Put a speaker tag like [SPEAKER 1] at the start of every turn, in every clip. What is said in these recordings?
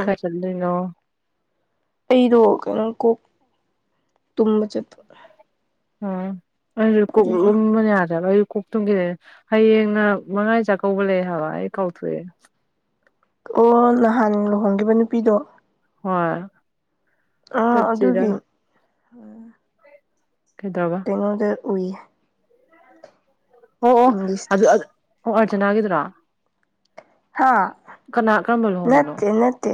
[SPEAKER 1] ꯈ ꯆꯅꯣ
[SPEAKER 2] ꯑꯩꯗꯣ ꯀꯩꯅꯣ ꯀꯣꯛ ꯇꯨꯝꯕ ꯆꯄ
[SPEAKER 1] ꯎ ꯑꯩꯁꯨ ꯀꯣꯛ ꯂꯨꯝꯕ ꯌꯥꯗꯦꯕ ꯀꯣꯛꯇꯨꯝꯒꯤꯗ ꯍꯌꯦꯡꯅ ꯃꯉꯥꯏ ꯆꯥꯛꯀꯧꯕ ꯂꯩ ꯍꯥꯏꯕ ꯑꯩ ꯀꯥꯎꯊꯣꯛꯑꯦ
[SPEAKER 2] ꯑꯣ ꯅꯍꯥꯟ ꯂꯨꯍꯣꯡꯈꯤꯕ ꯅꯨꯄꯤꯗꯣ
[SPEAKER 1] ꯍ
[SPEAKER 2] ꯑꯥ ꯑꯗꯨꯒꯤ
[SPEAKER 1] ꯀꯩꯗꯧꯔꯕ
[SPEAKER 2] ꯇꯩꯅꯣꯗ ꯎꯏꯌꯦ
[SPEAKER 1] ꯑꯣ ꯑꯣ
[SPEAKER 2] ꯏꯪꯂꯤꯁ
[SPEAKER 1] ꯑꯗꯨ ꯑꯣ ꯑꯔꯆꯅꯥ ꯍꯥꯏꯒꯗ꯭ꯔꯥ
[SPEAKER 2] ꯍꯥ
[SPEAKER 1] ꯂꯨꯍꯣꯡꯕꯅꯣ
[SPEAKER 2] ꯅꯠꯇꯦ ꯅꯠꯇꯦ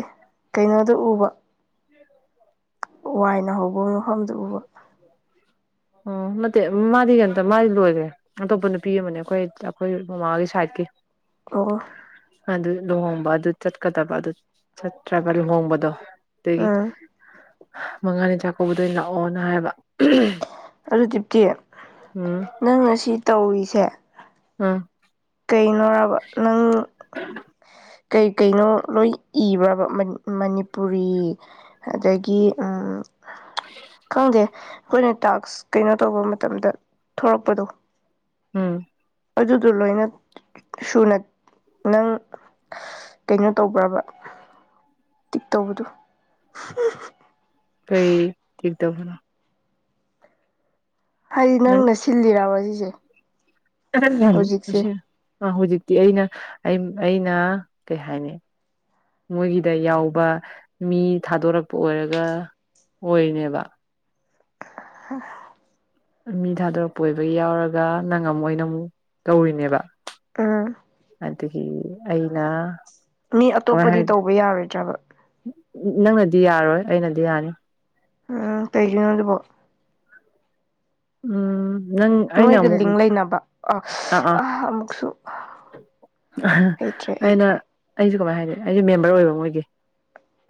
[SPEAKER 2] ꯀꯩꯅꯣꯗ ꯎꯕ ꯋꯥꯏꯅ ꯍꯧꯕ ꯃꯐꯝꯗꯨ ꯎꯕ
[SPEAKER 1] ꯑꯣ ꯅꯠꯇꯦ ꯃꯥꯗꯤ ꯀꯝꯇ ꯃꯥꯗꯤ ꯂꯣꯏꯈ꯭ꯔꯦ ꯑꯇꯣꯞꯄ ꯅꯨꯄꯤ ꯑꯃꯅꯦ ꯑꯩꯈꯣꯏ ꯑꯩꯈꯣꯏ ꯃꯃꯥꯒꯤ ꯁꯥꯏꯠꯀꯤ
[SPEAKER 2] ꯑꯣ
[SPEAKER 1] ꯑꯗꯨ ꯂꯨꯍꯣꯡꯕ ꯑꯗꯨ ꯆꯠꯀꯗꯕ ꯑꯗꯨ ꯆꯠꯇ꯭ꯔꯕ ꯂꯨꯍꯣꯡꯕꯗꯣ ꯑꯗꯒꯤ
[SPEAKER 2] ꯎꯝ
[SPEAKER 1] ꯃꯉꯥꯅꯤ ꯆꯥꯛꯀꯧꯕꯗ ꯂꯥꯛꯑꯣꯅ ꯍꯥꯏꯕ
[SPEAKER 2] ꯑꯗꯨ ꯇꯤꯞꯀꯤ
[SPEAKER 1] ꯎꯝ
[SPEAKER 2] ꯅꯪꯅ ꯁꯤ ꯇꯧꯔꯤꯁꯦ
[SPEAKER 1] ꯎꯝ
[SPEAKER 2] ꯀꯩꯅꯣꯔꯕ ꯅꯪ ꯀꯩ ꯀꯩꯅꯣ ꯂꯣꯏ ꯏꯕ꯭ꯔꯕ ꯃꯅꯤꯄꯨꯔꯤ ꯑꯗꯒꯤ ꯀꯪꯒꯦ ꯑꯩꯈꯣꯏꯅ ꯇꯥꯛꯁ ꯀꯩꯅꯣ ꯇꯧꯕ ꯃꯇꯝꯗ ꯊꯣꯔꯛꯄꯗꯣ
[SPEAKER 1] ꯎꯝ
[SPEAKER 2] ꯑꯗꯨꯗ ꯂꯣꯏꯅ ꯁꯨꯅ ꯅꯪ ꯀꯩꯅꯣ ꯇꯧꯕ꯭ꯔꯕ ꯇꯤꯛ ꯇꯧꯕꯗꯨ
[SPEAKER 1] ꯀꯩ ꯊ ꯇꯕꯅ
[SPEAKER 2] ꯍꯥꯏꯗꯤ ꯅꯪꯅ ꯁꯤꯜꯂꯤꯔꯔꯕ ꯁꯤꯁꯦ ꯍꯧꯖꯤꯛꯁꯦ
[SPEAKER 1] ꯁ ꯑ ꯍꯧꯖꯤꯛꯇꯤ ꯑꯩꯅ ꯑꯩꯅ ꯀꯩ ꯍꯥꯏꯅꯤ ꯃꯣꯏꯒꯤꯗ ꯌꯥꯎꯕ ꯃꯤ ꯊꯥꯗꯣꯔꯛꯄ ꯑꯣꯏꯔꯒ ꯑꯣꯏꯅꯦꯕ
[SPEAKER 2] ꯍ
[SPEAKER 1] ꯃꯤ ꯊꯥꯗꯣꯔꯛꯄ ꯑꯣꯏꯕꯒꯤ ꯌꯥꯎꯔꯒ ꯅꯪ ꯑꯃꯨꯛ ꯑꯣꯏꯅ ꯑꯃꯨꯛ ꯇꯧꯔꯤꯅꯦꯕ
[SPEAKER 2] ꯑꯥ
[SPEAKER 1] ꯗꯒꯤ ꯑꯩꯅ
[SPEAKER 2] ꯃꯤ
[SPEAKER 1] ꯀꯃꯥꯏ
[SPEAKER 2] ꯑꯇꯣꯞꯄꯗꯤ
[SPEAKER 1] ꯍꯥꯏ
[SPEAKER 2] ꯇꯧꯕ ꯌꯥꯔꯣꯏꯗ꯭ꯔꯕ
[SPEAKER 1] ꯅꯪꯅꯗꯤ ꯌꯥꯔꯣꯏ ꯑꯩꯅꯗꯤ ꯌꯥꯅꯤ
[SPEAKER 2] ꯎ ꯀꯩꯒꯤꯅꯣꯗꯤ ꯄꯣ
[SPEAKER 1] ꯎꯝ ꯅꯪ ꯑꯩꯅ
[SPEAKER 2] ꯃꯣꯏꯒ
[SPEAKER 1] ꯑꯃꯨꯛ
[SPEAKER 2] ꯂꯤꯡ ꯂꯩꯅꯕ ꯑ
[SPEAKER 1] ꯑꯥ ꯑꯥ
[SPEAKER 2] ꯑ ꯑꯃꯨꯛꯁꯨ ꯍꯩꯇ꯭ꯔꯦ ꯑꯩ
[SPEAKER 1] ꯑꯩꯅ ꯑꯩꯁꯨꯦ ꯀꯃꯥꯏꯅ ꯍꯥꯏꯅꯤ ꯑꯩꯁꯨꯦ ꯃꯦꯝꯕꯔ ꯑꯣꯏꯕ ꯃꯣꯏꯒꯤ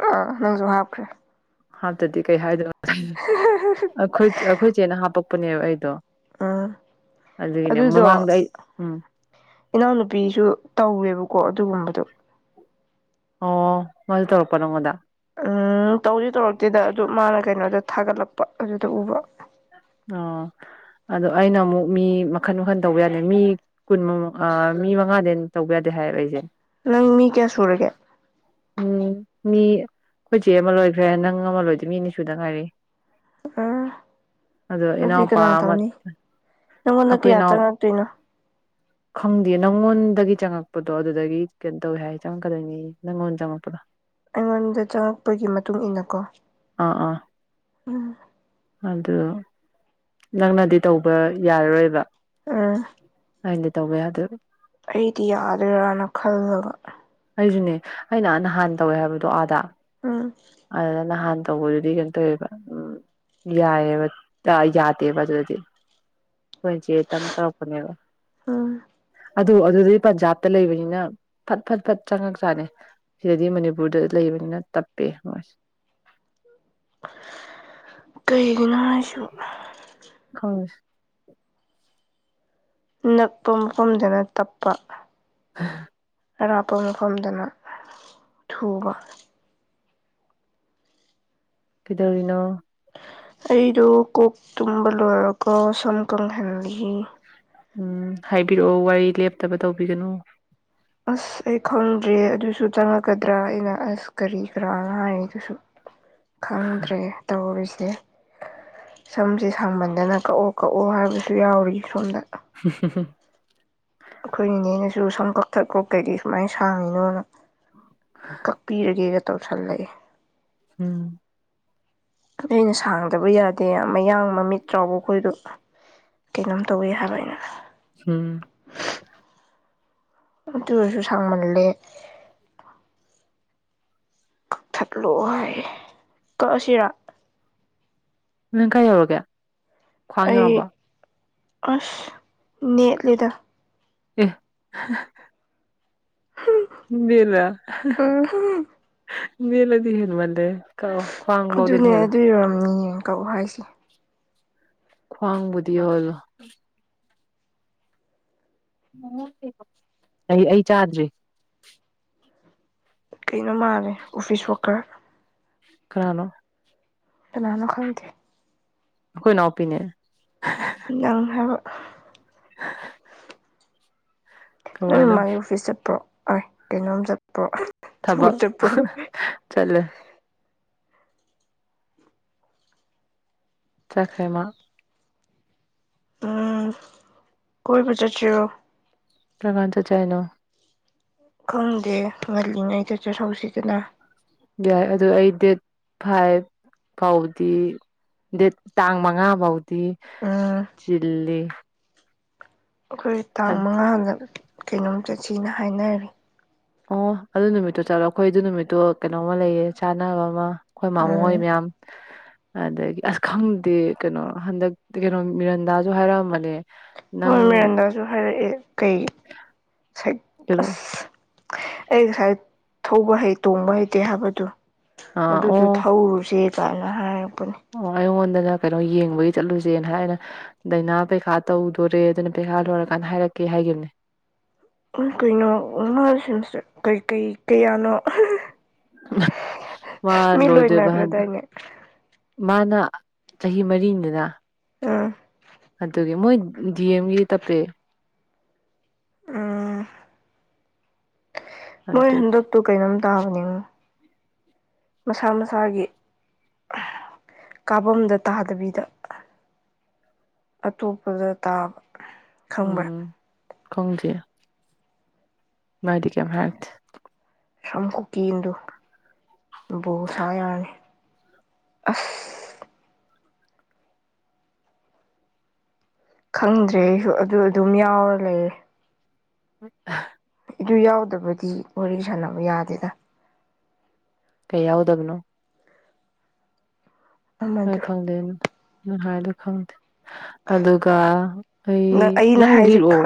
[SPEAKER 2] ꯑ ꯅꯪꯁꯨ ꯍꯥꯞꯈ꯭ꯔꯦ
[SPEAKER 1] ꯍꯥꯞꯇꯗꯤ ꯀꯩ ꯍꯥꯏꯗ ꯑꯩꯈꯣꯏ ꯑꯩꯈꯣꯏꯆꯦꯅ ꯍꯥꯞꯄꯛꯄꯅꯦꯕ ꯑꯩꯗꯣ
[SPEAKER 2] ꯑ
[SPEAKER 1] ꯑꯗꯨꯒꯤꯅꯦ
[SPEAKER 2] ꯑꯗꯨꯗꯣ
[SPEAKER 1] ꯃꯃꯥꯡꯗ ꯑꯩ ꯎꯝ
[SPEAKER 2] ꯏꯅꯥꯎꯅꯨꯄꯤꯁꯨ ꯇꯧꯋꯦꯕꯀꯣ ꯑꯗꯨꯒꯨꯝꯕꯗꯣ
[SPEAKER 1] ꯑꯣ ꯃꯜ ꯇꯧꯔꯛꯄ ꯅꯪꯉꯗꯥ
[SPEAKER 2] ꯎꯝ ꯇꯧꯗꯤ ꯇꯧꯔꯛꯇꯦꯗ ꯑꯗꯨ ꯃꯥꯅ ꯀꯩꯅꯣꯗ ꯊꯥꯒꯠꯂꯛꯄ ꯑꯗꯨꯗ ꯎꯕ
[SPEAKER 1] ꯑ ꯑꯗꯣ ꯑꯩꯅ ꯑꯃꯨꯛ ꯃꯤ ꯃꯈꯟ ꯃꯈꯟ ꯇꯧꯕ ꯌꯥꯗꯦ ꯃꯤ ꯀꯨꯟꯃꯃꯛ ꯃꯤ ꯃꯉꯥꯗ ꯇꯧꯕ ꯌꯥꯗꯦ ꯊ ꯂꯩꯖꯦ
[SPEAKER 2] ꯅꯪ ꯃꯤ ꯀꯌꯥ ꯁꯨꯔꯒꯦ
[SPEAKER 1] ꯎꯝ ꯃꯤ ꯑꯩꯈꯣꯏ ꯆꯦ ꯑꯃ ꯂꯣꯏꯈ꯭ꯔꯦ ꯅꯪ ꯑꯃ ꯂꯣꯏꯗꯣꯏ ꯃꯤꯅꯤ ꯁꯨꯗ ꯉꯥꯏꯔꯤ
[SPEAKER 2] ꯑꯥ
[SPEAKER 1] ꯑꯗꯣ
[SPEAKER 2] ꯑꯗꯨꯗꯤ
[SPEAKER 1] ꯏꯅꯥꯎꯄꯥ
[SPEAKER 2] ꯀꯅꯥ
[SPEAKER 1] ꯑꯃ
[SPEAKER 2] ꯇꯧꯅꯤ ꯅꯪꯉꯣꯟꯗ
[SPEAKER 1] ꯑꯩꯈꯣꯏ
[SPEAKER 2] ꯀꯌꯥ
[SPEAKER 1] ꯏꯅꯥꯎ
[SPEAKER 2] ꯆꯪꯉꯛꯇꯣꯏꯅꯣ
[SPEAKER 1] ꯈꯪꯗꯦ ꯅꯪꯣꯟꯗ ꯒꯤ ꯆꯪꯉꯛꯄꯗꯣ ꯑꯗꯨꯗꯒꯤ ꯀꯩꯅꯣ ꯇꯧꯏꯦ ꯍꯥꯏ ꯆꯪꯉꯛꯀꯗꯣꯏꯅꯤ ꯅꯪꯉꯣꯟꯗ ꯆꯪꯉꯛꯄꯗꯣ
[SPEAKER 2] ꯑꯩꯉꯣꯟꯗ ꯆꯪꯉꯛꯄꯒꯤ ꯃꯇꯨꯡ ꯏ ꯃꯇꯨꯡꯏꯟꯅꯀꯣ
[SPEAKER 1] ꯑꯥ ꯑꯥ
[SPEAKER 2] ꯎꯝ
[SPEAKER 1] ꯑꯗꯨ ꯅꯪꯅꯗꯤ ꯇꯧꯕ ꯌꯥꯔꯔꯣꯏꯕ
[SPEAKER 2] ꯎꯝ
[SPEAKER 1] ꯑꯗꯤ ꯇꯧꯕ ꯌꯥꯗꯣꯏ
[SPEAKER 2] ꯑꯩꯗꯤ ꯌꯥꯗꯣꯏꯔꯥꯅ ꯈꯜꯂꯒ
[SPEAKER 1] ꯑꯩꯁꯨꯅꯦ ꯑꯩꯅ ꯅꯍꯥꯟ ꯇꯧꯋꯦ ꯍꯥꯏꯕꯗꯣ ꯑꯥꯗ
[SPEAKER 2] ꯎꯝ
[SPEAKER 1] ꯑꯗꯨꯗ ꯅꯍꯥꯟ ꯇꯧꯕꯗꯨꯗꯤ ꯀꯩꯝ ꯇꯧꯋꯦꯕ ꯎꯝ ꯌꯥꯏꯌꯦꯦꯕ ꯌꯥꯗꯦ ꯐ ꯑꯗꯨꯗꯤ ꯑꯩꯈꯣꯏ ꯆꯦ ꯇꯪ ꯇꯥꯛꯄꯅꯦꯕ
[SPEAKER 2] ꯎꯝ
[SPEAKER 1] ꯑꯗꯨ ꯑꯗꯨꯗꯩ ꯄꯟꯖꯥꯕꯇ ꯂꯩꯕꯅꯤꯅ ꯐꯠ ꯐꯠ ꯆꯪꯉꯛ ꯆꯥꯅꯦ ꯁꯤꯗꯗꯤ ꯃꯅꯤꯄꯨꯔꯗ ꯂꯩꯕꯅꯤꯅ ꯇꯞꯄꯦ ꯃꯣꯏꯁ
[SPEAKER 2] ꯀꯩꯒꯤꯅꯁꯨꯣ
[SPEAKER 1] ꯈꯪꯗꯦ
[SPEAKER 2] ꯅꯛꯄ ꯃꯐꯝꯗꯅ ꯇꯞꯄ
[SPEAKER 1] ꯑ
[SPEAKER 2] ꯑꯔꯥꯞꯄ ꯃꯐꯝꯗꯅ ꯊꯨꯕ
[SPEAKER 1] ꯀꯤꯗꯧꯔꯤꯅꯣ
[SPEAKER 2] ꯑꯩꯗꯨ ꯀꯣꯛꯣꯛ ꯇꯨꯝꯕ ꯂꯣꯏꯔꯒ ꯁꯝ ꯀꯪꯍꯦꯜꯂꯤ
[SPEAKER 1] ꯎꯝ ꯍꯥꯏꯕꯤꯔꯛꯑꯣ ꯋꯥꯔꯤ ꯂꯦꯞꯇꯕ ꯇꯧꯕꯤꯒꯅꯨ
[SPEAKER 2] ꯑꯁ ꯑꯩ ꯈꯪꯗ꯭ꯔꯦ ꯑꯗꯨꯁꯨ ꯆꯪꯉꯛꯀꯗ꯭ꯔꯥ ꯑꯩꯅ ꯑꯁ ꯀꯔꯤ ꯀꯔꯥꯅ ꯍꯥꯏ ꯑꯗꯨꯁꯨ ꯈꯪꯗ꯭ꯔꯦ ꯇꯧꯔꯤꯁꯦ ꯁꯦ ꯁꯝꯁꯦ ꯁꯥꯡꯃꯟꯗꯅ ꯀꯛꯑꯣ ꯀꯛꯑꯣ ꯍꯥꯏꯕꯁꯨ ꯌꯥꯎꯔꯤ ꯁꯣꯝꯗ ꯑꯩꯈꯣꯏ ꯏꯅꯦꯅꯁꯨ ꯁꯝ ꯀꯛꯊꯛꯄ ꯀꯩꯗꯤ ꯁꯨꯃꯥꯏꯅ ꯁꯥꯡꯉꯤꯅꯣꯅ ꯀꯛꯄꯤꯔꯒꯦꯒ ꯇꯧꯁꯜꯂꯛꯑꯦ
[SPEAKER 1] ꯎꯝ
[SPEAKER 2] ꯑ ꯑꯩꯅ ꯁꯥꯡꯗꯕ ꯌꯥꯗꯦ ꯃꯌꯥꯡ ꯃꯃꯤꯠ ꯆꯥꯎꯥꯎꯕꯈꯣꯏꯗ ꯀꯩꯅꯣꯝ ꯇꯧꯋꯤ ꯍꯥꯏꯕ ꯑꯩꯅ
[SPEAKER 1] ꯎꯝ
[SPEAKER 2] ꯇꯨꯔꯁꯨ ꯁꯥꯡꯃꯂꯦ ꯀꯛꯊꯠꯂꯣ ꯍꯥꯏꯌꯦ ꯀꯛꯑꯁꯤꯔ
[SPEAKER 1] ꯅꯣꯏ ꯀꯥꯏ ꯌꯧꯔꯒꯦ ꯈ꯭ꯋꯥꯡ
[SPEAKER 2] ꯑꯩ
[SPEAKER 1] ꯌꯧꯔꯕ
[SPEAKER 2] ꯑꯁ ꯅꯂꯥ
[SPEAKER 1] ꯑꯦ ꯦꯂ
[SPEAKER 2] ꯎꯝꯍꯨꯝ
[SPEAKER 1] ꯦꯂꯗꯤ ꯍꯟ ꯃꯅꯦꯦ
[SPEAKER 2] ꯑꯗꯨꯅꯦ ꯑꯗꯨ ꯌꯝꯅꯤ ꯌꯦꯡ ꯀꯛꯎ ꯍꯥꯏꯁꯦ
[SPEAKER 1] ꯈ꯭ꯋꯥꯡꯕꯨꯗꯤ ꯍꯂꯣ ꯑꯩ ꯑꯩ ꯆꯥꯗ꯭ꯔꯔꯤ
[SPEAKER 2] ꯀꯩꯅꯩꯅ ꯃꯥꯔ ꯑꯣꯐꯤꯁ ꯋꯥꯈꯔ
[SPEAKER 1] ꯀꯥꯅꯣ
[SPEAKER 2] ꯅꯅ ꯈꯪ ꯀꯦ
[SPEAKER 1] ꯑꯩꯣꯏ ꯅꯄꯤꯤꯅꯤ
[SPEAKER 2] ꯉꯥꯡ ꯍꯥꯏꯕ
[SPEAKER 1] [unintelligible]
[SPEAKER 2] ꯅꯪ
[SPEAKER 1] ꯀꯃꯥꯏꯅ
[SPEAKER 2] ꯃꯥꯒꯤ ꯑꯣꯐꯤꯁ ꯆꯠꯄ꯭ꯔꯣ ꯑ ꯀꯩꯅꯣꯝ ꯆꯠꯄ꯭ꯔꯣ
[SPEAKER 1] ꯊꯕ
[SPEAKER 2] ꯊꯕꯛ ꯆꯠꯄ꯭ꯔꯣ
[SPEAKER 1] ꯆꯂꯦ ꯆꯈꯥꯏꯃ
[SPEAKER 2] ꯎꯝ ꯀꯣꯏ ꯃ ꯆꯠꯁꯤꯣ
[SPEAKER 1] ꯂ꯭ꯔꯀꯥꯟ ꯆ ꯆꯅꯣ
[SPEAKER 2] ꯈꯪꯗꯦ ꯉꯜꯂꯤꯉꯩꯗ ꯆꯠꯍꯧꯁꯤꯗꯅ
[SPEAKER 1] ꯌꯥꯏ ꯑꯗꯨꯗ ꯑꯩ ꯗꯦꯠ ꯐꯥꯏꯚ ꯐꯥꯎꯗꯤ ꯗꯦꯠ ꯇꯥꯡ ꯃꯉꯥ ꯐꯥꯎꯗꯤ
[SPEAKER 2] ꯎꯝ
[SPEAKER 1] ꯆꯤꯜꯂꯤ
[SPEAKER 2] ꯑꯩꯈꯣꯏ ꯇꯥꯡ ꯃꯉꯥꯗ ꯀꯩꯅꯣꯝ ꯆꯠꯁꯤꯅ ꯍꯥꯏꯅꯔꯤ
[SPEAKER 1] ꯑꯣ ꯑꯗꯨ ꯅꯨꯃꯤꯠꯇꯣ ꯆꯠꯂꯣ ꯑꯩꯈꯣꯏ ꯑꯗꯨ ꯅꯨꯃꯤꯠꯇꯣ ꯀꯩꯅꯣꯝꯃ ꯂꯩꯌꯦ ꯆꯥꯅꯕ ꯑꯃ ꯑꯩꯈꯣꯏ ꯃꯥꯃꯣ ꯍꯣꯏ
[SPEAKER 2] ꯎꯝ
[SPEAKER 1] ꯃꯌꯥꯝ ꯑꯗꯒꯤ ꯑꯁ ꯈꯪꯗꯦ ꯀꯩꯅꯣ ꯍꯟꯗꯛꯇ ꯀꯩꯅꯣ ꯃꯤꯔꯟꯗꯥꯁꯨ ꯍꯥꯏꯔꯛꯑꯃꯅꯦ
[SPEAKER 2] ꯍꯣꯏ ꯃꯦꯔꯦꯟꯗꯁꯨ ꯍꯥꯏꯔꯛꯑꯦ ꯀꯩ ꯑꯁ
[SPEAKER 1] ꯀꯩꯅꯣ
[SPEAKER 2] ꯑꯩ ꯉꯁꯥꯏ ꯊꯧꯕ ꯍꯩ ꯇꯣꯡꯕ ꯍꯩꯇꯦ ꯍꯥꯏꯕꯗꯨ
[SPEAKER 1] ꯑꯥ
[SPEAKER 2] ꯑꯗꯨꯗ
[SPEAKER 1] ꯑꯣ
[SPEAKER 2] ꯊꯧꯔꯨꯁꯦ ꯀꯥꯏꯅ ꯍꯥꯏ
[SPEAKER 1] ꯑꯣ ꯑꯣꯟꯟꯗꯥꯛ ꯀꯩꯅꯣ ꯌꯦꯡꯕꯒꯤ ꯆꯠꯂꯨꯁꯦꯅ ꯍꯥꯏꯅ ꯗꯥꯏꯅꯥ ꯄꯩꯈꯥ ꯇꯧꯗꯣꯔꯦ ꯑꯗꯨꯅ ꯄꯩꯈꯥ ꯂꯣꯏꯔꯀꯥꯟꯗ ꯍꯥꯏꯔꯛꯀꯦ ꯍꯥꯏꯈꯤꯕꯅꯦ [unintelligible]
[SPEAKER 2] ꯀꯩꯅꯣꯁꯤꯡꯁꯦ ꯀꯩ ꯀꯩ ꯀꯌꯥꯅꯣ
[SPEAKER 1] ꯃꯥ
[SPEAKER 2] ꯃꯤ
[SPEAKER 1] ꯂꯣꯏꯗꯣꯏꯕꯍꯟꯗ
[SPEAKER 2] ꯂꯣꯏꯅꯈ꯭ꯔꯗꯥꯏꯅꯦ
[SPEAKER 1] ꯃꯥꯅ ꯆꯍꯤ ꯃꯔꯤꯗꯅ
[SPEAKER 2] ꯑꯥ
[SPEAKER 1] ꯑꯗꯨꯒꯤ ꯃꯣꯏ ꯗꯤ ꯑꯦꯝꯒꯤ ꯇꯞꯄꯦ
[SPEAKER 2] ꯑ ꯃꯣꯏ
[SPEAKER 1] ꯑꯗꯨꯒꯤ
[SPEAKER 2] ꯍꯟꯗꯛꯇꯨ ꯀꯩꯅꯣꯝ ꯇꯥꯕꯅꯤꯣ ꯃꯁꯥ ꯃꯁꯥꯒꯤ ꯀꯥꯐꯝꯗ ꯇꯥꯗꯕꯤꯗ ꯑꯇꯣꯞꯄꯗ ꯇꯥꯕ ꯈꯪꯕ꯭ꯔꯥ
[SPEAKER 1] ꯎꯝ ꯈꯪꯁꯤ ꯥꯏꯗꯤ ꯀ ꯍꯥꯏꯔ
[SPEAKER 2] ꯁꯝ ꯀꯨ ꯀꯗꯨ ꯕꯣꯁ ꯌꯥꯅꯤ ꯑ ꯈꯪꯗ꯭ꯔꯦ ꯑꯩꯁꯨ ꯑꯗꯨ ꯑꯗꯨꯝ ꯌꯥꯎꯔ ꯂꯩꯔꯦ
[SPEAKER 1] ꯎ
[SPEAKER 2] ꯑꯗꯨ ꯌꯥꯎꯗ꯭ꯔꯕꯗꯤ ꯋꯥꯔꯤ ꯁꯥꯟꯅꯕ ꯌꯥꯗꯦꯗ
[SPEAKER 1] ꯀꯩ ꯌꯥꯎꯗꯒꯅꯣ ꯍꯣꯏ
[SPEAKER 2] ꯑꯃꯗꯨ
[SPEAKER 1] ꯈꯪꯗꯦ ꯍꯥꯏꯗꯤ ꯈꯪꯗꯦ ꯑꯗꯨꯒ ꯑꯩ ꯅꯪꯒꯤꯔꯛꯑꯣ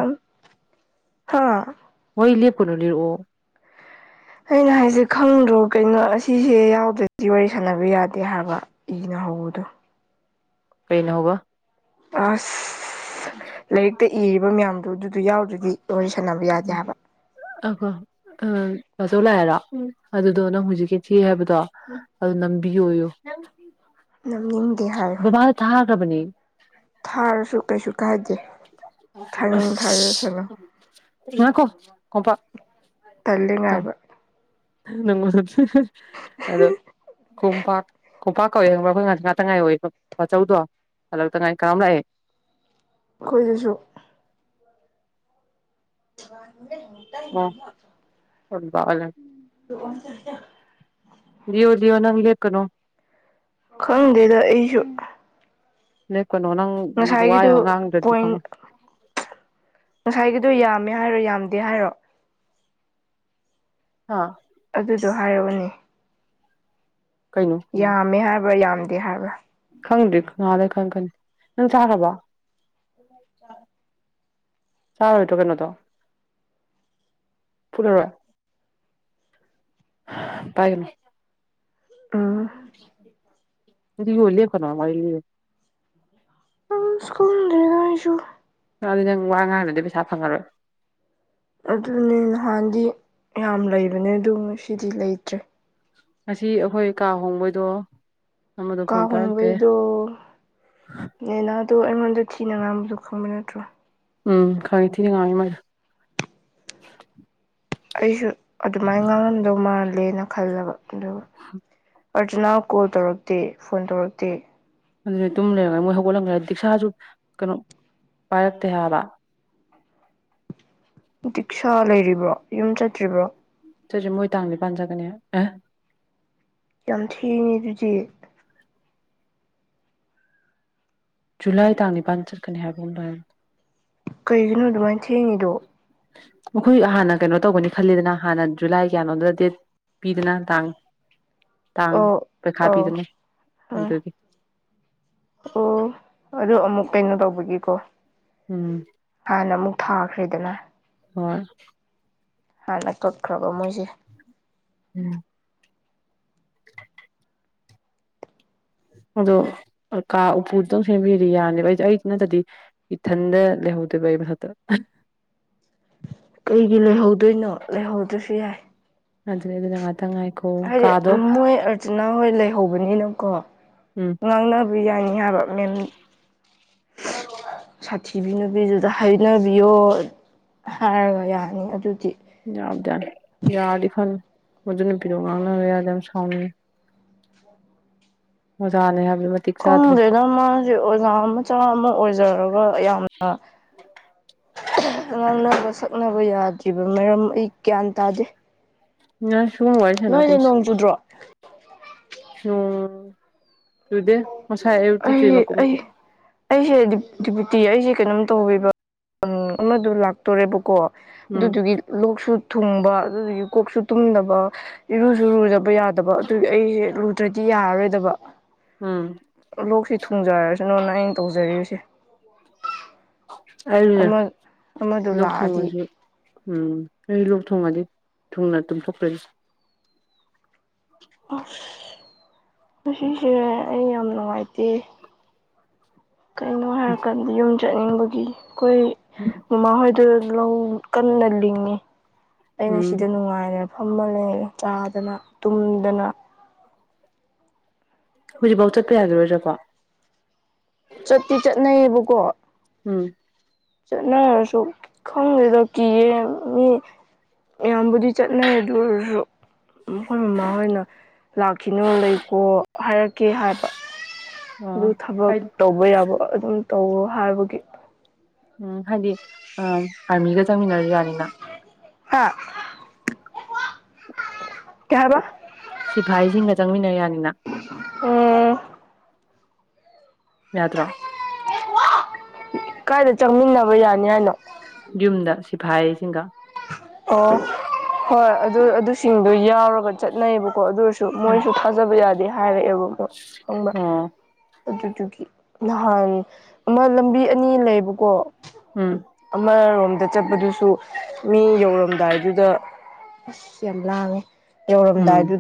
[SPEAKER 2] ꯍꯥꯥ
[SPEAKER 1] ꯃꯣꯏ ꯂꯦ ꯄꯨꯅꯅꯤꯔꯑꯣꯣ
[SPEAKER 2] ꯑꯩꯅ ꯍꯥꯏꯁꯦ ꯈꯪꯗ꯭ꯔꯣ ꯀꯩꯅꯣ ꯑꯁꯤꯁꯦ ꯌꯥꯎꯗ꯭ꯔꯗꯤ ꯋꯥꯔꯤ ꯁꯥꯟꯅꯕ ꯌꯥꯗꯦ ꯍꯥꯏꯕ ꯏꯅꯣ ꯍꯥꯎꯗꯨ
[SPEAKER 1] ꯀꯩꯅꯩꯅ ꯍꯒ
[SPEAKER 2] ꯑꯁ ꯂꯥꯏꯔꯤꯛꯇ ꯏꯔꯤꯕ ꯃꯌꯥꯝꯗꯨ ꯑꯗꯨꯗ ꯌꯥꯎꯗ꯭ꯔꯗꯤ ꯂꯣꯏ ꯁꯥꯟꯅꯕ ꯌꯥꯗꯦ ꯍꯥꯏꯕ
[SPEAKER 1] ꯑꯍꯣ ꯑ ꯑꯆꯧ ꯂꯥꯛꯑꯔ ꯑꯗꯨꯗꯣ ꯅꯪ ꯍꯧꯖꯤꯛꯀꯤ ꯊꯤ ꯍꯥꯏꯕꯗꯣ ꯑꯗꯨ ꯅꯝꯕꯤꯌꯣꯌꯨ
[SPEAKER 2] ꯅꯝꯅꯤꯡꯗꯦ ꯍꯥꯏꯌꯨ
[SPEAKER 1] ꯕꯕꯥ ꯊꯥꯒ꯭ꯔꯕꯅꯤ
[SPEAKER 2] ꯊꯥꯔꯁꯨ ꯀꯩꯁꯨ ꯀꯥꯏꯗꯦ ꯊꯥꯡꯅꯤꯡꯡ ꯊꯥꯗꯔꯁꯅꯨ
[SPEAKER 1] ꯌꯦ ꯀꯣ ꯀꯄ
[SPEAKER 2] ꯇꯜꯂꯤꯉꯥꯏꯕ
[SPEAKER 1] ꯑꯗꯣ ꯀꯝꯄꯥꯛ ꯀꯣꯡꯝꯄꯥꯛ ꯀꯧꯋꯏꯦ ꯈꯪꯕ꯭ꯔꯥ ꯑꯩꯈꯣꯏ ꯉꯁꯤ ꯉꯥꯛꯇ ꯉꯥꯏ ꯑꯣꯏ ꯃꯆꯧꯗꯣ ꯍꯂꯛꯇ ꯉꯥꯏ ꯀꯥꯝ ꯂꯥꯛꯑꯦ
[SPEAKER 2] ꯑꯩꯈꯣꯏꯗꯁꯨ ꯋꯥ [unintelligible] [unintelligible]
[SPEAKER 1] ꯑꯣ
[SPEAKER 2] [unintelligible] [unintelligible]
[SPEAKER 1] ꯂꯤꯌꯣ ꯂꯤꯌꯣ ꯅꯪ ꯂꯦꯛ ꯀꯅꯣ
[SPEAKER 2] ꯈꯪꯗꯦꯗ ꯑꯩꯁꯨ
[SPEAKER 1] ꯅꯣꯏ ꯀꯩꯅꯣ ꯅꯪ
[SPEAKER 2] ꯉꯁꯥꯏꯒꯤꯗꯨ
[SPEAKER 1] ꯋꯥꯌꯥꯝ ꯉꯥꯡꯗ꯭ꯔꯗꯤ
[SPEAKER 2] ꯄꯣꯏꯟ
[SPEAKER 1] ꯐꯪꯉ
[SPEAKER 2] ꯉꯁꯥꯏꯒꯤꯗꯣ ꯌꯥꯝꯃꯦ ꯍꯥꯏꯔꯣ ꯌꯥꯝꯗꯦ ꯍꯥꯏꯔꯣ
[SPEAKER 1] ꯑ
[SPEAKER 2] ꯑꯗꯨꯗꯣ ꯍꯥꯏꯔꯑꯣꯅꯦ
[SPEAKER 1] ꯀꯩꯅꯣ
[SPEAKER 2] ꯌꯥꯝꯃꯦ ꯍꯥꯏꯕ꯭ꯔꯥ ꯌꯥꯝꯗꯦ ꯍꯥꯏꯕ꯭ꯔꯥ
[SPEAKER 1] ꯈꯪꯗ꯭ꯦꯪꯗ ꯈꯪ ꯈ ꯅꯪ ꯆꯥꯈ꯭ꯔꯔꯕ ꯆꯥꯎ ꯍꯇꯣ ꯀꯩꯅꯣ ꯇꯣ ꯄꯨꯟꯅꯔꯕꯥ ꯄꯥꯏꯒꯅꯨ
[SPEAKER 2] ꯎꯝ
[SPEAKER 1] ꯑꯗꯨ ꯍꯣꯜꯂꯤꯈꯅꯣ
[SPEAKER 2] ꯏꯁꯀꯣꯗꯒꯁꯨ
[SPEAKER 1] ꯗꯤ ꯅꯪ ꯋꯥ ꯉꯥꯏꯕꯗꯤ ꯄꯩꯁꯥ ꯐꯪꯉꯔꯣꯏ
[SPEAKER 2] ꯑꯗꯨꯅꯦ ꯅꯍꯥꯟꯗꯤ ꯌꯥꯝ ꯂꯩꯕꯅꯦ ꯑꯗꯨ ꯉꯁꯤꯗꯤ ꯂꯩꯇ꯭ꯔꯦ
[SPEAKER 1] ꯉꯁꯤ ꯑꯩꯈꯣꯏ ꯀꯥ ꯍꯣꯡꯕꯩꯗꯣ ꯑꯃꯗꯣ ꯐꯣꯟ ꯄꯥꯏꯔꯛꯇꯦ
[SPEAKER 2] ꯀꯥꯣꯕꯗ ꯅꯅꯥ ꯑꯗꯣ ꯑꯩꯉꯣꯟꯗ ꯊꯤꯅ ꯉꯥꯡꯕꯗꯣ ꯈꯪꯕ ꯅꯠꯇ꯭ꯔꯣ
[SPEAKER 1] ꯎꯝ ꯈꯩ ꯊꯤꯗꯤ ꯈ ꯃꯔ
[SPEAKER 2] ꯑꯩꯁꯨ ꯑꯗꯨꯃꯥꯏꯅ ꯉꯥꯡꯂꯝꯝꯗꯧ ꯃꯥꯜꯂꯦꯅ ꯈꯜꯂꯦꯕ ꯑꯗꯨꯒ ꯑꯔꯖꯨꯅꯥ ꯀꯣꯜ ꯇꯧꯔꯛꯇꯦ ꯐꯣꯟ ꯇꯧꯔꯛꯇꯦ
[SPEAKER 1] ꯑꯗꯨꯅꯤ ꯇꯨꯝ ꯂꯩꯔꯝꯒ ꯃꯣꯏ ꯍꯧꯒꯠꯂꯂꯝꯈ꯭ꯔꯦ ꯗꯤꯛꯁꯥꯁꯨ ꯀꯩꯅꯣ ꯄꯥꯏꯔꯛꯇꯦ ꯍꯥꯏꯕ
[SPEAKER 2] ꯗꯤꯛꯁꯥ ꯂꯩꯔꯤꯕ꯭ꯔꯣ ꯌꯨꯝ ꯆꯠꯇ꯭ꯔꯤꯕ꯭ꯔꯣ
[SPEAKER 1] ꯆꯠꯁꯦ ꯃꯣꯏ ꯇꯥꯡꯗꯤ ꯄꯥꯟꯖꯒꯅꯤ ꯑꯦ
[SPEAKER 2] ꯌꯥꯝ ꯊꯤꯅꯦ ꯑꯗꯨꯗꯤ
[SPEAKER 1] ꯖꯨꯂꯥꯏ ꯇꯥꯡꯅꯤꯄꯥꯟ ꯆꯠꯀꯅꯤ ꯍꯥꯏꯕꯗ
[SPEAKER 2] ꯀꯩꯒꯤꯅꯣ ꯑꯗꯨꯃꯥꯏꯅ ꯊꯦꯡꯉꯤꯗꯣ
[SPEAKER 1] ꯑꯩꯈꯣꯏ ꯍꯥꯟꯅ ꯀꯩꯅꯣ ꯇꯧꯒꯅꯤ ꯈꯜꯂꯤꯗꯅ ꯍꯥꯟꯅ ꯖꯨꯂꯥꯏ ꯀꯌꯥꯅꯣꯗꯨꯗ ꯗꯦꯠ ꯄꯤꯗꯅ ꯇꯥꯡ ꯇꯥꯡ
[SPEAKER 2] ꯑꯣ
[SPEAKER 1] ꯄꯩꯈꯥ
[SPEAKER 2] ꯑꯣ
[SPEAKER 1] ꯄꯤꯗꯅ
[SPEAKER 2] ꯎꯝ
[SPEAKER 1] ꯑꯗꯨꯒꯤ
[SPEAKER 2] ꯑꯣ ꯑꯗꯨ ꯑꯃꯨꯛ ꯀꯩꯅꯣ ꯇꯧꯕꯒꯤꯀꯣ
[SPEAKER 1] ꯎꯝ
[SPEAKER 2] ꯍꯥꯟꯅ ꯑꯃꯨꯛ ꯊꯥꯈ꯭ꯔꯦꯗꯅ
[SPEAKER 1] [inaudible]
[SPEAKER 2] ꯍꯥꯟꯅ ꯀꯛꯈ꯭ꯔꯕ ꯃꯣꯏꯁꯦ
[SPEAKER 1] ꯑꯗꯣ ꯀꯥ ꯎꯄꯨꯗꯨꯗꯪ ꯁꯦꯝꯕꯤꯔ ꯌꯥꯅꯦꯕ ꯑꯩꯗꯤ ꯑꯩꯗꯨ ꯅꯠꯇꯗꯤ ꯏꯊꯟꯗ ꯍꯗ ꯄ ꯐꯠꯇ
[SPEAKER 2] ꯀꯩꯒꯤ ꯂꯩꯍꯧꯗꯣꯏꯅꯣ ꯂꯩꯍꯧꯗ꯭ꯔꯁꯨ ꯌꯥꯏ
[SPEAKER 1] ꯑꯗꯨ ꯑꯗꯨ
[SPEAKER 2] ꯍꯥꯏꯗꯤ ꯃꯣꯏ ꯑꯔꯖꯨꯅꯥ ꯍꯣꯏ ꯂꯩꯍꯧꯕꯅꯤꯅꯀꯣ
[SPEAKER 1] ꯎꯝ
[SPEAKER 2] ꯉꯥꯡꯅꯕ ꯌꯥꯏꯅꯤ ꯍꯥꯏꯕ ꯃꯦꯟ
[SPEAKER 1] [inaudible]
[SPEAKER 2] ꯁꯥꯊꯤꯕꯤ ꯅꯨꯄꯤꯗꯨꯗ ꯍꯥꯏꯅꯕꯤꯌꯣ ꯍꯥꯏꯔꯒ ꯌꯥꯅꯤ ꯑꯗꯨ
[SPEAKER 1] ꯌꯥꯕꯗ ꯌꯥꯗ ꯐꯅ ꯃ ꯅꯨ ꯄꯤꯔꯣ ꯉꯥꯡꯅꯔ ꯌꯥꯗ ꯌꯥꯝ ꯁꯥꯎꯉ ꯑꯣꯖꯥꯅꯦ ꯍꯥꯏ
[SPEAKER 2] ꯈꯪꯗꯦꯅ ꯃꯥꯁꯦ ꯑꯣꯖꯥ ꯃꯆꯥ ꯑꯃ ꯑꯣꯏꯖꯔꯒ ꯌꯥꯝꯅ
[SPEAKER 1] [inaudible]
[SPEAKER 2] ꯉꯥꯡꯅꯕ ꯁꯛꯅꯕ ꯌꯥꯗ꯭ꯔꯤꯕ ꯃꯔꯝ ꯑꯩ ꯒ꯭ꯌꯥꯟ ꯇꯥꯗꯦ
[SPEAKER 1] ꯑ ꯁꯨ ꯑꯣꯏꯔꯁ ꯅ
[SPEAKER 2] ꯅꯣꯏꯗ
[SPEAKER 1] ꯀꯁꯤ
[SPEAKER 2] ꯅꯣꯡ ꯆꯨꯗ꯭ꯔꯣ
[SPEAKER 1] ꯑꯣ ꯑꯗꯨꯨꯗꯦ
[SPEAKER 2] ꯑꯩ ꯑꯩ ꯑꯩꯁꯦꯗꯤ ꯨꯇꯤ ꯑꯩꯁꯦ ꯀꯩꯅꯣꯝ ꯇꯧꯕꯤꯦꯕ ꯑꯃꯗ ꯂꯥꯛꯇꯣꯔꯦꯕꯀꯣ
[SPEAKER 1] ꯎꯝ
[SPEAKER 2] ꯑꯗꯨꯗꯨꯒꯤ ꯂꯣꯛꯁꯨ ꯊꯨꯡꯕ ꯑꯗꯨꯗꯨꯒꯤ ꯀꯣꯛꯁꯨ ꯇꯨꯝꯗꯕ ꯏꯔꯨꯁꯨ ꯂꯨꯗꯕ ꯌꯥꯗꯕ ꯑꯗꯨ ꯑꯩꯁꯦ ꯂꯨꯗ꯭ꯔꯗꯤ ꯌꯥꯔꯔꯣꯏꯗꯕ
[SPEAKER 1] ꯎꯝ
[SPEAKER 2] ꯂꯣꯛꯁꯤ ꯊꯨꯡꯖꯔꯁꯅꯨꯅ ꯑꯩꯅ ꯇꯧꯖꯔꯤꯕꯁꯦ
[SPEAKER 1] ꯑꯅꯦ
[SPEAKER 2] ꯑꯃ ꯑꯃꯗꯨ
[SPEAKER 1] ꯂꯣꯛ
[SPEAKER 2] ꯂꯥꯛꯑꯗꯤ
[SPEAKER 1] ꯊꯣꯡꯉꯁꯨ ꯎꯝ ꯀ ꯊꯣꯡꯉꯜꯂꯤꯦ ꯊꯨꯡꯅ ꯇꯝꯊꯣꯛꯈ꯭ꯔꯦꯦ
[SPEAKER 2] ꯑꯁ ꯃꯁꯤꯁꯦ ꯑꯩ ꯌꯥꯝ ꯅꯨꯡꯉꯥꯏꯇꯦ ꯀꯩꯅꯣ ꯍꯥꯏꯔꯀꯥꯟꯗ ꯌꯨꯝ ꯆꯠꯅꯤꯡꯕꯒꯤ ꯑꯩꯈꯣꯏ ꯃꯃꯥꯍꯣꯏꯗꯨ ꯀꯟꯅ ꯂꯤꯡꯉꯤ ꯑꯩꯅ
[SPEAKER 1] ꯎꯝ
[SPEAKER 2] ꯁꯤꯗ ꯅꯨꯡꯉꯥꯏꯔ ꯐꯝꯃ ꯂꯩꯦ ꯆꯥꯗꯅ ꯇꯨꯝꯗꯅ
[SPEAKER 1] ꯍꯧꯖꯤꯛꯐꯥꯎ ꯆꯠꯄ ꯌꯥꯒꯔꯣꯏꯗ꯭ꯔꯥꯀꯣ
[SPEAKER 2] ꯆꯠꯇꯤ ꯆꯠꯅꯩꯌꯦꯕꯀꯣ
[SPEAKER 1] ꯎꯝ
[SPEAKER 2] ꯅꯪꯅꯁꯨ ꯈꯪꯗꯦꯗ ꯀꯤꯌꯦ ꯃꯤ ꯑꯌꯥꯝꯕꯨꯗꯤ ꯆꯠꯅꯩ ꯑꯗꯨ ꯃꯈꯣꯏ ꯃꯃꯥꯍꯣꯏꯅ ꯂꯥꯛꯈꯤꯅꯨ ꯂꯩꯀꯣ ꯍꯥꯏꯔꯛꯀꯦ ꯍꯥꯏꯕ ꯑꯗꯨ
[SPEAKER 1] ꯑꯣ
[SPEAKER 2] ꯊꯕꯛ
[SPEAKER 1] ꯍꯥꯏꯗꯤ
[SPEAKER 2] ꯇꯧꯕ ꯌꯥꯕ ꯑꯗꯨꯝ ꯇꯧꯋꯣ ꯍꯥꯏꯕꯒꯤ
[SPEAKER 1] ꯎꯝ ꯍꯥꯏꯗꯤ ꯑ ꯑꯥꯔꯃꯤꯒ ꯆꯪꯃꯤꯟꯅꯔꯨ ꯌꯥꯅꯤꯅ
[SPEAKER 2] ꯍꯥ ꯀꯩ ꯍꯥꯏꯕ
[SPEAKER 1] ꯁꯤ ꯐꯥꯥꯏꯁꯤꯡꯒ ꯆꯪꯃꯤꯟꯅ ꯌꯥꯅꯤ
[SPEAKER 2] ꯎꯝ
[SPEAKER 1] ꯌꯥꯗ꯭ꯔꯥ
[SPEAKER 2] ꯀꯥꯏꯗ ꯆꯪꯃꯤꯟꯅꯕ ꯌꯥꯅꯤ ꯍꯥꯏꯅꯣ
[SPEAKER 1] ꯌꯨꯝꯗ ꯁꯤꯐꯥꯏꯁꯤꯡꯒ
[SPEAKER 2] ꯑꯣ ꯍꯣꯏ ꯑꯗꯨ ꯑꯗꯨꯁꯤꯡꯗꯣ ꯌꯥꯎꯔꯒ ꯆꯠꯅꯩꯌꯦꯕ ꯀꯣ ꯑꯗꯨ ꯑꯣꯏꯔꯁꯨ
[SPEAKER 1] ꯎꯝ
[SPEAKER 2] ꯃꯣꯏꯁꯨ ꯊꯥꯖꯕ ꯌꯥꯗꯦ ꯍꯥꯏꯔꯛꯑꯦꯕꯗꯣ ꯈꯪꯕ
[SPEAKER 1] ꯑꯣ
[SPEAKER 2] ꯑꯗꯨꯗꯨꯒꯤ ꯅꯍꯥꯟ ꯑꯃ ꯂꯝꯕꯤ ꯑꯅꯤ ꯂꯩꯕꯀꯣ
[SPEAKER 1] ꯎꯝ
[SPEAKER 2] ꯑꯃꯔꯣꯝꯗ ꯆꯠꯄꯗꯨꯁꯨ ꯃꯤ ꯌꯧꯔꯝꯗꯥꯏꯗꯨꯗ ꯑꯁ ꯌꯥꯝ ꯂꯥꯡꯉꯤ
[SPEAKER 1] ꯎꯝ
[SPEAKER 2] ꯌꯧꯔꯝꯗꯥꯏꯗꯨꯗ